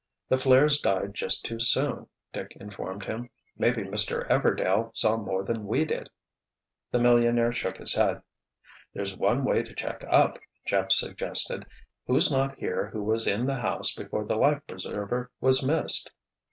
"The flares died just too soon," Dick informed him. "Maybe Mr. Everdail saw more than we did." The millionaire shook his head. "There's one way to check up," Jeff suggested. "Who's not here who was in the house before the life preserver was missed?"